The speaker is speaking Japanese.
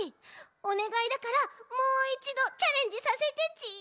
おねがいだからもう１どチャレンジさせてち。